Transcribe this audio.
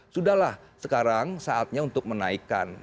sudah lah sekarang saatnya untuk menaikan